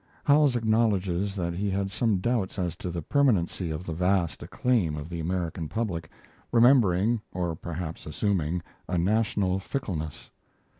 Howells acknowledges that he had some doubts as to the permanency of the vast acclaim of the American public, remembering, or perhaps assuming, a national fickleness.